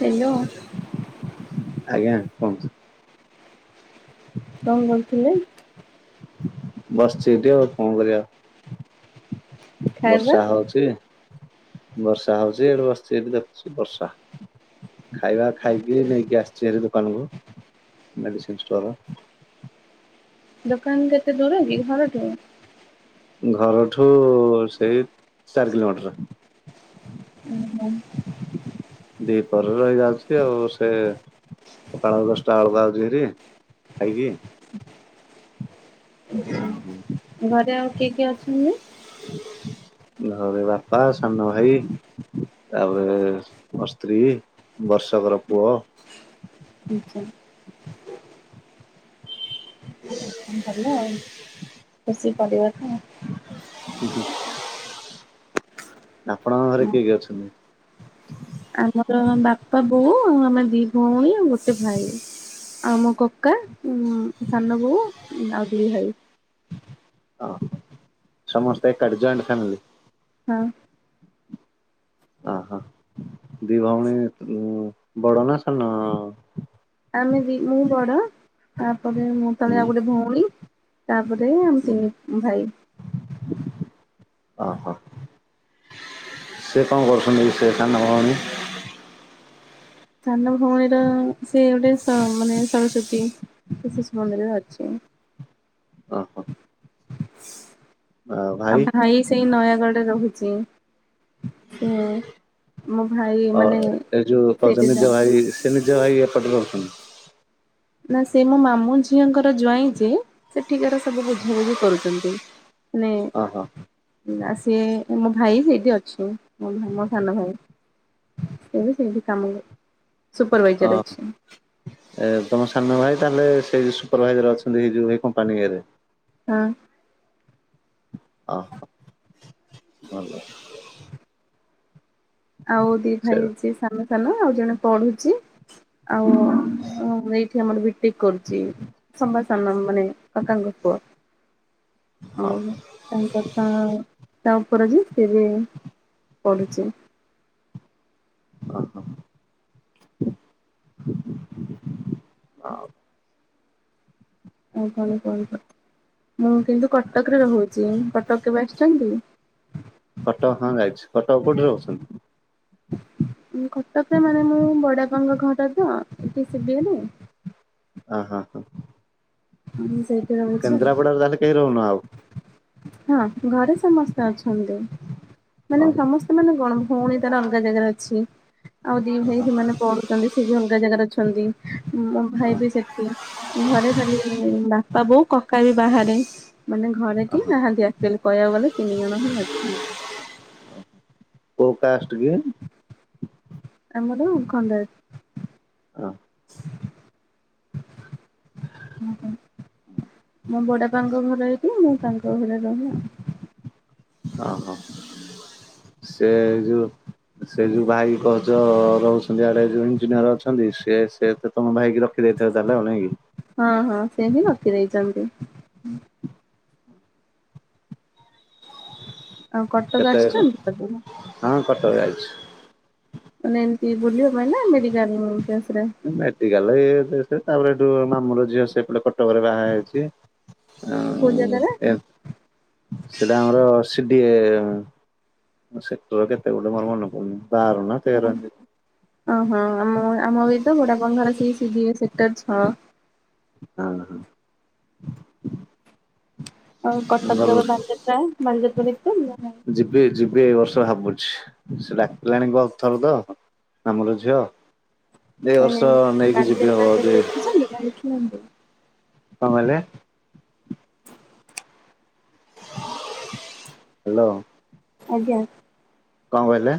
Hello. ଆଜ୍ଞା କୁହନ୍ତୁ? [unintelligible] କଣ କରୁଥିଲେ? ବସଚି ଏଠି ଆଉ କଣ କରିବା। ଖାଇବା ବର୍ଷା ହଉଛି ବର୍ଷା ହଉଛି ଏଠି ବସିଛି ଏଠି ଦେଖୁଛି ବର୍ଷା। ଖାଇବା ଖାଇକି ନେଇକି ଆସିଛି ଏ ଦୋକାନକୁ ମେଡିସିନ ଷ୍ଟୋର। ଦୋକାନ କେତେ ଦୂର କି ଘରଠୁ? ଘରଠୁ ସେଇ ଚାରି କିଲୋମିଟର। ଓ ହୋ। ଦିପରେ ରହି ଯାଉଛି ଆଉ ସେ ସକାଳ ଦଶଟା ଆଳକୁ ଆଉଚି ଭାରି ଖାଇକି। ଯାହା ହୋଉ। ଘରେ ଆଉ କିଏ କିଏ ଅଛନ୍ତି? ଘରେ ବାପା ସାନ ଭାଇ ତାପରେ ମୋ ସ୍ତ୍ରୀ। ବର୍ଷକର ପୁଅ। ଉଁ ହୁଁ। [unintelligible] ଭଲ ଆଉ ଖୁସି କରିବ ତ। ହୁଁ ହୁଁ ଆପଣଙ୍କ ଘରେ କିଏ କିଏ ଅଛନ୍ତି? ଆମର ବାପା ବୋଉ ଆମେ ଦି ଭଉଣୀ ଆଉ ଗୋଟେ ଭାଇ। ଆଉ ମୋ କକା ଉ ସାନ ବୋଉ ଆଉ ଦି ଭାଇ। ହଁ ସମସ୍ତେ ଏକାଠି ଜଏଣ୍ଟ ଫାମିଲି? ହଁ। ଅ ହ ହ ଦି ଭଉଣୀ ବଡ ନା ସାନ? ଆମେ ଦି ମୁଁ ବଡ ତାପରେ ମୁଁ ତଳେ ହୁଁ ଆଉ ଗୋଟେ ଭଉଣୀ। ତାପରେ ଆମ ତିନି ଭାଇ। ଓହୋ ସେ କଣ କରୁଛନ୍ତି ସେ ସାନ ଭଉଣୀ? ସାନ ଭଉଣୀର ସେ ଗୋଟେ ମାନେ ସରସ୍ଵତୀ ସେ ଶିଶୁ ମନ୍ଦିର ଅଛି। ଓହୋ। ଆଉ ଭାଇ ସେଇ ନୟାଗଡ଼ରେ ରହୁଛି। ସେ ମୋ ଭାଇ ଅ ମାନେ ଏ ଯୋଉ କହୁଛ ସେଇଠି ନିଜ ଯାଉ। ଭାଇ ସେ ନିଜ ଭାଇ ଏପଟି ରହୁଛନ୍ତି। ନା ସେ ମୋ ମାମୁଁ ଝିଅଙ୍କର ଜ୍ୱାଇଁ ଯେ ସେଠିକାର ସବୁ ବୁଝାବୁଝି କରୁଛନ୍ତି। ନେ ହଁ ହଁ। ନାଁ ସିଏ ମୋ ଭାଇ ସେଇଠି ଅଛି ମୋ ମୋ ସାନ ଭାଇ। ଏବେ ସେଇ କାମ ଅ ସୂପରଭାଇଜର୍ ଅଛି। ଏ ତମ ସାନ ଭାଇ ତାହେଲେ ସେଇ ଯୋଉ ସୁପରଭାଇଜର ଅଛନ୍ତି ସେଇ ଯୋଉ କମ୍ପାନୀ ଇଏରେ। ହଁ। ଓହୋଃ ଭଲ। ଆଉ ଦି ସେ ଭାଇ ଅଛି ସାନ ସାନ ଆଉ ଜଣେ ପଢୁଛି ଆଉ ହୁଁ। ହ ଏଇଠି ଆମର ବି ଟେ କ କରୁଛି ସମ୍ବାସାନ ମାନେ କାକାଙ୍କ ପୁଅ। [inaudible] ହଁ ହଉ ତାଙ୍କର ତ ଥା ତା ଉପରେ ଯିଏ ସେ ଏବେ ପଢୁଛି। ହ ହ, ଆଉ। ଆଉ କଣ କୁହନ୍ତୁ? ମୁଁ କିନ୍ତୁ କଟକରେ ରହୁଅଛି, କଟକ କେବେ ଆସିଚନ୍ତି? କଟକ, ହଁ ଯାଇଛି, କଟକ କୋଉଠି ରହୁଛନ୍ତି? କଟକରେ ମାନେ ମୁଁ ବଡ଼ାପାଙ୍କ ଘରଟା ତ, ଏଠି ସି ଡ଼ି ଏ ରେ। ଅ ହ ହ, ମୁଁ ସେଇଠି ରହୁଛି କେନ୍ଦ୍ରାପଡାରେ ତାହଲେ କେହି ରହୁନ ଆଉ? ହଁ ଘରେ ସମସ୍ତେ ଅଛନ୍ତି, ମାନେ ଓହୋ ସମସ୍ତେ ମାନେ କଣ ଭଉଣୀ ତାର ଅଲଗା ଜାଗାରେ ଅଛି, ଆଉ ଦି ଭାଇ ଓହୋ ସେମାନେ ପଢୁଛନ୍ତି ସେବି ଅଲଗା ଜାଗାରେ ଅଛନ୍ତି, ମୋ ଭାଇ ବି ସେଠି, ଘରେ ଖାଲି ବାପା, ବୋଉ, କକା ବି ବାହାରେ। ମାନେ ଘରେ କେହି ଓହୋ ନାହାନ୍ତି ଆକଚୁଆଲି କହିବାକୁ ଗଲେ, ତିନି ଜଣ ହିଁ ଅଛନ୍ତି। କୋଉ କାଷ୍ଟ କି? ଆମର ଖଣ୍ଡାୟତ। ଅ [unintelligible] ମୋ ବଡାପାଙ୍କ ଘର ଏଇଠି, ମୁଁ ତାଙ୍କ ଘରେ ରହେ। ଅ ହ, ସେ ଯୋଉ ସେ ଯୋଉ ଭାଇ କହୁଚ ରହୁଛନ୍ତି ଇଆଡେ, ଯୋଉ ଇଞ୍ଜିନିୟର ଅଛନ୍ତି, ସେ, ସେ ତ ତମ ଭାଇକି ରଖି ଦେଇଥିବ ତାହାଲେ ଆଉ, ନାଇଁକି? ହଁ ହଁ, ସେ ହିଁ ରଖି ଦେଇଚନ୍ତି। ଆଉ କଟକ କେତେ ଆସିଛନ୍ତି କଟକ? ହଁ, କଟକ ଯାଇଛି। ମାନେ ଏମତି ବୁଲିବା ପାଇଁ ନା, ମେଡ଼ିକାଲ କେସରେ? ମେଡିକାଲ ଇଏ, [unintelligible] ତାପରେ ଏଠୁ ମାମୁ ର ଝିଅ ସେପ କଟକରେ ବାହା ହେଇଛି। କୋଉ ଜାଗାରେ? [unintelligible] ସେଟା ଆମର ସି ଡି ଏ ସେକ୍ଟର କେତେ ଗୋଟେ ମୋର ମନେ ପଡୁନି, ବାର ନା ତେର ଓହୋ, ଆମ ଆମ ଏ ତ ବଡପାଙ୍କଘର ସେଇ ସିଡିଏ ସେକ୍ଟର ଛଅ। ହଁ ହଁ। ଆଉ ହଁ କଟକ ଭଲ ଯଉ ବାଲିଯାତ୍ରା, ବାଲିଯାତ୍ରା ଦେଖିଛନ୍ତି ନା ନାଇଁ? ଯିବି-ଯିବି ଏଇ ବର୍ଷ ଭାବୁଛି, ସେ ଡାକିଲାଣି ବହୁତ୍ ଥର ତ [unintelligible] ଝିଅ। [unintelligible] ନାଇଁ ନାଇଁ ବର୍ଷ ମୁଁ ନେଇକି ଯିବି ବାଲିଯାତ୍ରା ହବ କେବେ ଯଦି, ଦେଖିଛନ୍ତି ନା ଦେଖିନାହାନ୍ତି? କଣ କହିଲେ? ହାଲୋ। ଆଜ୍ଞା। କଣ କହିଲେ?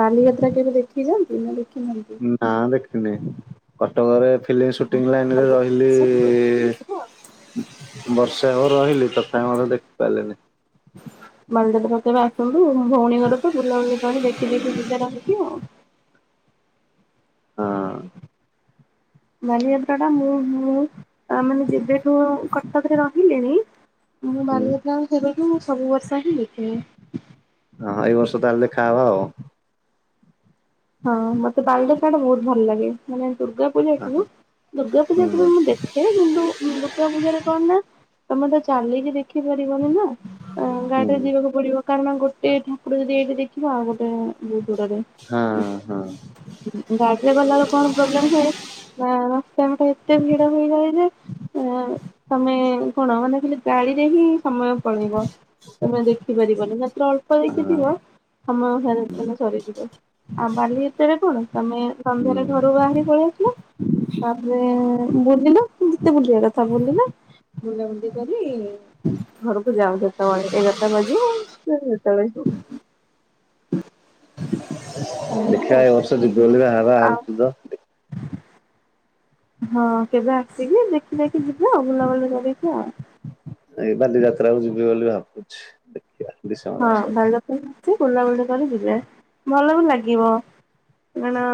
ବାଲିଯାତ୍ରା କେବେ ଦେଖିଚନ୍ତି, ନା ଦେଖିନାହାନ୍ତି? ନା ଦେଖିନି, କଟକ ରେ ଫିଲ୍ମ ସୁଟିଂ ଲାଇନ୍ ରେ ରହିଲି ଆସନ୍ତୁ ଦେଖିବ ଆଉ। ବର୍ଷେ ହବ ରହିଲି ତଥାପି ମଧ୍ୟ ଦେଖିପାରିଲିନି। ବାଲିଯାତ୍ରାକୁ କେବେ ଆସନ୍ତୁ, ଭଉଣୀ ଘର ତ ବୁଲାବୁଲି କରି ଦେଖି-ଦେଖି ଯିବେ ରହିକି ଆଉ। ହଁ। ବାଲିଯାତ୍ରା ଟା ମୁଁ-ମୁଁ ମାନେ ଯେବେଠୁ କଟକରେ ରହିଲିଣି ମୁଁ ହୁଁ। ବାଲିଯାତ୍ରା ସେବେଠୁ ସବୁ ବର୍ଷ ହିଁ ଦେଖିଲି। ହଁ ଏଇ ବର୍ଷ ତାହେଲେ ଦେଖା ହବା ଆଉ। ହଁ ମତେ ବାଲିଯାତ୍ରା ଟା ବହୁତ୍ ଭଲ୍ ଲାଗେ, ମାନେ ଦୁର୍ଗା ପୂଜାକୁ ହୁଁ ଦୁର୍ଗା ପୂଜାକୁ ବି ମୁଁ ଦେଖେ। କିନ୍ତୁ ଦୁର୍ଗା ପୂଜାରେ କଣ ନା ତମେ ତ ଚାଲିକି ଦେ ଖି ପାରିବନି ନା, ହୁଁ ଗାଡିରେ ଯିବାକୁ ପଡିବ। କାରଣ ଗୋଟେ ଠାକୁର ଯଦି ଏଇଠି ଦେଖିବ, ଆଉ ଗୋଟେ ବହୁତ୍ ଦୂରରେ। ହଁ-ହଁ। ଗାଡିରେ ଗଲାବେଳେ କଣ ପ୍ରୋବ୍ଲେମ୍ ହୁଏ, ନା ରାସ୍ତା ଘାଟ ଏତେ ଭିଡ ହେଇଯାଏ ଯେ ଆ ତମେ କଣ ମାନେ ଖାଲି ଗାଡିରେ ହିଁ ସମୟ ପଳେଇବ, ତମେ ଦେଖିପାରିବନି ମାତ୍ର ଅଳ୍ପ ଦେଖିଥିବ ସମୟ [unintelligible] ସରିଯିବ, ଆଉ ବାଲିଯାତ୍ରା ରେ କଣ ତମେ ହୁଁ ସନ୍ଧ୍ୟାରେ ଘରୁ ବାହାରି ପଳେଇ ଆସିଲ ତାପରେ ବୁଲିଲ ଯେତେ ବୁଲିବା କଥା ବୁଲିଲ, ବୁଲାବୁଲି କରି ଘରୁକୁ ଯଅ ଯତଳେ ଏଗାରଟା ବାଜିବ [unintelligible] ଯେତଳେ ଯିବ। ଏମିତି ଦେଖିଆ ଆଉ ଏବର୍ଷ ଯିବୁ ବୋଲି ବାହା ଆଉ ବାହାରୁଚୁ ତ। ହଁ କେବେ ଆସିକି ଦେଖି ଦାଖି ଦେକି ଯିବେ ଆଉ, ବୁଲାବୁଲି କରିକି ଆଉ। ଏଇ ବାଲିଯାତ୍ରାକୁ ଯିବି ବୋଲି ଭାବୁଛି। ଦେଖିବା ଡିସେମ୍ବର ହଁ [unintelligible] ମାସରେ [unintelligible] ବୁଲାବୁଲି କରି ଯିବେ, ଭଲ ବି ଲାଗିବ କାରଣ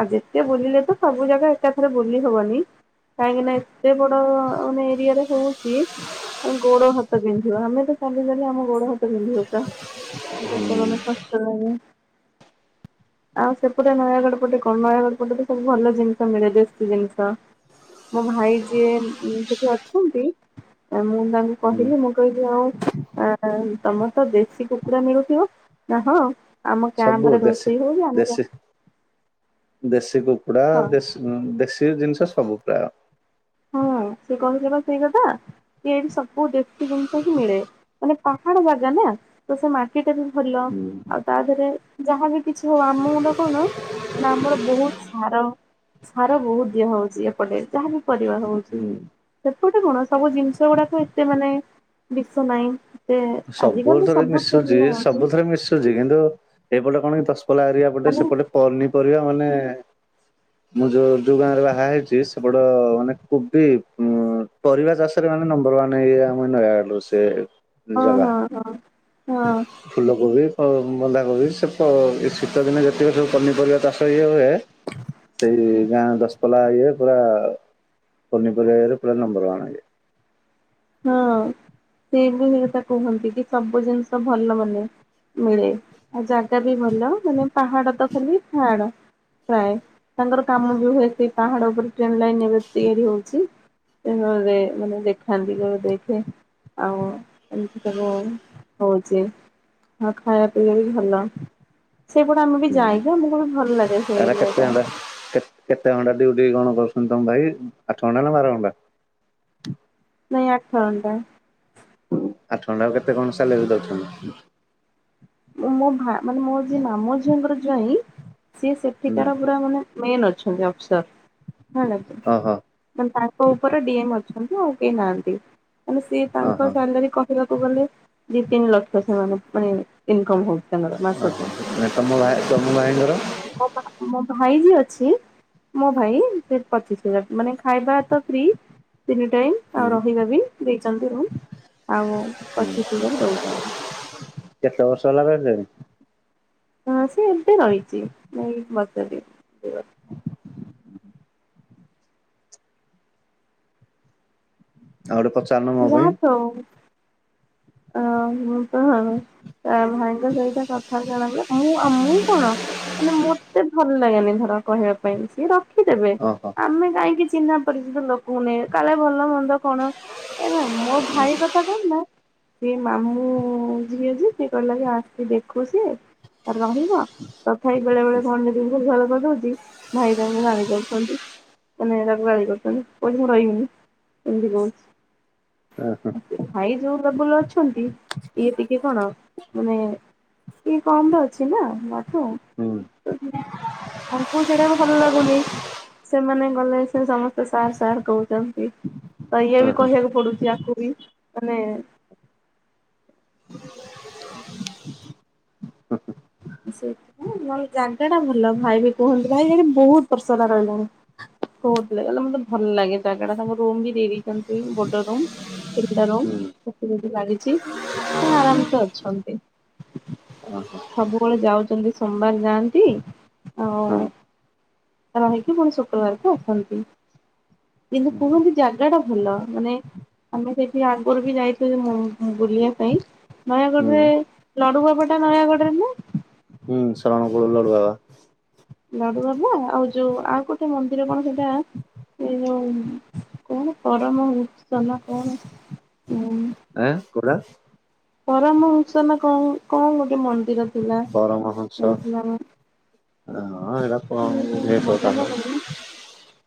ଆଉ ଯେତେ ବୁଲିଲେ ତ ସବୁ ଜାଗା ଏକାଥେରେ ବୁଲି ହବନି। କାହିଁକି ନା ଏତେ ବଡ ମାନେ ଏରିଆରେ ହଉଚି ଗୋଡ ହାତ ବି, ଆମେ ତ ଚାଲି-ଚାଲି ଆମ ଗୋଡ଼ ହାତ ବିନ୍ଧିବ ପୁରା, ଏତେ ମାନେ କଷ୍ଟ ଲାଗେ। ଆଉ ସେପଟେ ନୟାଗଡ଼ ପଟେ କଣ ନୟାଗଡ଼ ପଟେ ତ ସବୁ ଭଲ ଜିନିଷ ମିଳେ ଦେଶୀ ଜିନିଷ। ମୋ ଭାଇ ଯିଏ ସେଠି ଅଛନ୍ତି, ମୁଁ ତାଙ୍କୁ ହୁଁ। କହିଲି ମୁଁ କହିଲି ଆଉ ଆ ତମର ତ ଦେଶୀ କୁକୁା ମିଳୁଥିବ, ନା ହଁ। ଆମ ସବୁ କ୍ୟାମ୍ପରେ ଦେଶୀ ରୋଷେଇ ହଉଚି, ଆମେ ଯା ଦେଶୀ ଦେଶୀ କୁକୁଡା, ହଁ ଦେଶୀ ଜିନିଷ ସବୁ ପ୍ରାୟ। ହଁ ସେ କହିିଲେ ବା ସେଇ କଥା କି ଏଇଠି ସବୁ ଦେଶୀ ଜିନିଷ ହିଁ ମିଳେ, ମାନେ ପାହାଡ ଜାଗା ନା ତ ସେ ମାଟିଟା ବି ଭଲ, ହୁଁ ଆଉ ତା ଧେରେ ଯାହାବି କିଛି ହଉ ଆମ [unintelligible] କଣ ନା ଆମର ବହୁତ୍ ସାର ସାର ବହୁତ ଦିଆ ହଉଛି ଏପଟେ ଯାହାବି ପରିବା ହଉଛି ହୁଁ। ସେପଟେ କଣ ସବୁ ଜିନିଷ ଗୁଡାକ ଏତେ ମାନେ ବିଷ ନାହିଁ ଏତେ ଆଜିକାଲି ସବୁଥରେ ସବୁଥିରେ ମିଶୁଚି ଦିଆ ହଉଛି ସବୁ ଥରେ ମିଶୁ ଚି କିନ୍ତୁ ଏପଟେ କଣ କି ଦଶପଲ୍ଲା ଏରିଆ ପଟେ ସେପଟେ ପନିପରିବା ମାନେ ହଁ [unintelligible] ମୁଁ ଯୋଉ ଯୋଉ ଗାଁ ରେ ବାହା ହେଇଛି ସେପଟ ମାନେ କୋବି ଉ ପରିବା ଚାଷ ମେ ନମ୍ବର ୱାନ ଏରିଆ ଆମ ନୟାଗଡ ରୁ ସେ ହଁ ଜାଗା ହଁ ହଁ ହଁ ଫୁଲକୋବି ବନ୍ଧାକୋବି ସେ ଶୀତଦିନେ ଯେତିକି ସବୁ ପନିପରିବା ଚାଷ ଇଏ ହୁଏ ସେଇ ଗାଁ ଦଶପଲ୍ଲା ଇଏ ପୁରା ପନିପରିବା ଇଏରେ ପୁରା ନମ୍ବର ୱାନ୍ ଜେ ହଁ ସେ ବି ସେକଥା କୁହନ୍ତି କି ସବୁ ଜିନିଷ ଭଲ ମାନେ ମିଳେ ଆଉ ଜାଗା ବି ଭଲ ମାନେ ପାହାଡ ତ ଖାଲି ପାହାଡ ପ୍ରାୟ ତାଙ୍କର କାମ ବି ହୁଏ ସେଇ ପାହାଡ ଉପରେ ଟ୍ରେନ ଲାଇନ ଏବେ ତିଆରି ହଉଛି ରେ ମାନେ ଦେଖାନ୍ତି ଦଗ ଦେଖେ ଆଉ ଏମିତି ସବୁ ହଉଛି ହଁ ଖାଇବା ପିଇବା ବି ଭଲ ସେପଟେ ଆମେ ବି ହୁଁ ଯାଇକି ଆମକୁ ଭଲ ଲାଗେ ସେ ଏରା ଏରିଆ କେତେ ଟା ଘଣ୍ଟା କେତେ ଘଣ୍ଟା ଡିଉଟି କଣ କରୁଛନ୍ତି ତମ ଭାଇ ଆଠ ଘଣ୍ଟା ନା ବାର ଘଣ୍ଟା ନାଇଁ ଆଠ ଘଣ୍ଟା ଆଠ ଘଣ୍ଟା କୁ କେତେ କଣ ସାଲେରି ଦଉଛନ୍ତି ମୋ ଭା ମାନେ ମୋର ଯିଏ ମାମୁଁ ଝିଅଙ୍କର ଜ୍ବାଇଁ ସିଏ ହୁଁ ସେଠିକାର ପୁରା ମାନେ ମେନ ଅଛନ୍ତି ଅଫିସର ହେଲାକି ଓହୋ ମାନେ ତାଙ୍କ ଉପରେ ଡିଏମ ଅଛନ୍ତି ଆଉ କେହି ନାହାନ୍ତି ମାନେ ସିଏ ତାଙ୍କ ଓହୋ ସାଲାରୀ କ ଦେଖିବାକୁ ଗଲେ ଦି ତିନି ଲକ୍ଷ ସେମାନଙ୍କ ମାନେ ଇନକମ ହଉ ଓହୋ ତମ ତମ ଭାଇଙ୍କର ମୋ ମୋ ଭାଇ ବି ଅଛି। ମୋ ଭାଇ ସେ ପଚିଶ ହଜାର ମାନେ ଖାଇବା ତ ଫ୍ରି ତିନି ଟାଇମ ହୁଁ ଆଉ ରହିବା ବି ଦେଇଛନ୍ତି ରୁମ ଆଉ ହୁଁ ପଚିଶ ହଜାର ଦଉଛନ୍ତି କେତେ ବର୍ଷ ହେଲା ରହିଲେଣି? ହ ସେ ଏବେ ରହିଛି ନାଇ ବା [inaudible] ଆଉଡେ ପଚାରନୁ ମୋ ପାଇଁ। ଯାହା ତ ଅ ମୁଁ ତ ଭାଇଙ୍କ ସହିତ କଥା ଜଣି ମୁଁ ଆ ମୁଁ କଣ? ମାନେ ମତେ ଭଲ ଲାଗାନି ଧର କହିବା ପାଇଁ। ସିଏ ରଖିଦେବେ ଓହୋ ଆମେ କାହିଁକି ଚିହ୍ନା କରିଚ ଲୋକଙ୍କୁ ନେଇ କାଳେ ଭଲ ମନ୍ଦ କଣ ଏବେ [inaudible] ମୋ ଭାଇ କଥା କୁହନ୍ତି ନା। ସେ ମାମୁଁ ଝିଏ ଯିଏ ଅଛି ସିଏ କହିଲ କି ଆସି ଦେଖୁ ସିଏ ଆଉ ରହିବ। ତଥାପି ବେଳେ ବେଳେ ପଣ୍ଡିତଙ୍କୁ ଭଲ କରିଦଉଛି। ଭାଇ ତାଙ୍କୁ ଗାଳି କରୁଛନ୍ତି। ମାନେ ତାକୁ ଗାଳି କରୁଛନ୍ତି କହୁଛି ମୁଁ ରହିବିନି ଏମିତି କହୁଛି ହଁ ହୁଁ ଭାଇ ଯୋଉ ଡବୁଲ ଅଛନ୍ତି। ଇଏ ଟିକେ କଣ ମାନେ? କି କମ ରେ ଅଛି ନା ତାଠୁ ହୁଁ ତାଙ୍କୁ ସେଇଟା ବି ଭଲ ଲାଗୁନି। ସେମାନେ ଗଲେ ସେ ସମସ୍ତେ ସାର୍ ସାର୍ କହୁଛନ୍ତି। ତ ଇଏ ହଁ ବି ହଁ କହିବାକୁ ପଡୁଛି। ଆକୁ ବି। ମାନେ [inaudible] ସେଇ ନହେଲେ ଜାଗା ଟା ଭଲ ଭାଇ ବି କୁହନ୍ତି। ଭାଇ ବହୁତ ବର୍ଷ ହେଲାଣି ରହିଲେଣି। କହୁ ଲଲେ ମତେ ଭଲ ଲାଗେ ଜାଗା ଟା। ତାଙ୍କ ରୁମ ବି ଦେଇ ଦେଇଛନ୍ତି ବଡ ରୁମ୍। ତିନିଟା ହୁଁ ରୁ ଲାଗିଛି। ଆରାମ୍ ସେ ଅଛନ୍ତି। ସବୁବେଳେ ଯାଉଛନ୍ତି। ସୋମବାର ଯାଆନ୍ତି। ହଁ। ଆଉ ରହିକି ପୁଣି ଶୁକ୍ରବାରକୁ ଉଠନ୍ତି। କିନ୍ତୁ କୁହନ୍ତି ଜାଗା ଟା ଭଲ। ମାନେ ଆମେ ସେଇଠି ଆଗରୁ ବି ଯାଇଥିଲୁ ବୁଲିବା ପାଇଁ। ହୁଁ ନୟାଗଡ଼ରେ ଲଡୁଭୋଗଟା ନୟାଗଡ଼ରେ ନା। ହୁଁ, ସରଣକୁ ଲଡ଼ୁ ବାବା। ଲଡୁ ବାବା। ଆଉ ଯୋଉ ଆଉ ଗୋଟେ ମନ୍ଦିର କଣ ସେଇଟା? ଏ ଯୋଉ କଣ ପରମ ଉଛ ନା କଣ? ହୁଁ। ଆଁ କୋଉଟା। ପରାମର୍ଶ ନା କଣ କଣ ଗୋଟେ ମନ୍ଦିର। ଥିଲା ପର ଯାଇଥିଲୁ ଆମେ ମହୋତ୍ସବ ଆଁ ଏଇରା [unintelligible]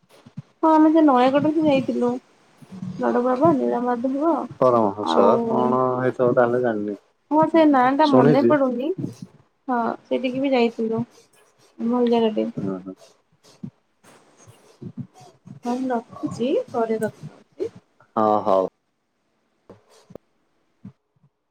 ହଁ, ଆମେ ସେ ନୟାଗଡ଼କୁ ଯାଇଥିଲୁ। ବଡ ବାବା ନୀଳାମା ପରାମର୍ଶ କଣ ହେଇଥିବ? ତାହେଲେ ଜାଣିନି। ହଁ, ସେ ନାଁ ଟା ମନେ ଶୁଣିଛି ପଡୁନି। ହଁ, ସେଠିକି ବି ଯାଇଥିଲୁ। ଭଲ ଜାଗାଟି। ହଁ ହଁ [inaudible] ହଁ, ମୁଁ ରଖୁଛି। ପରେ କ ହଁ ହୋଉ।